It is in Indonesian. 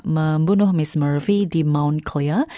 membunuh miss murphy di mount clea